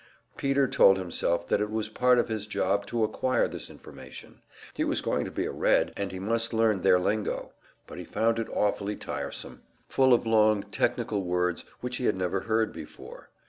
Peter told himself that it was part of his job to acquire this information. He was going to be a "Red," and he must learn their lingo; but he found it awfully tiresome, full of long technical words which he had never heard before.